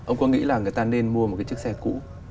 ông có nghĩ là người ta nên mua một cái chiếc xe cũ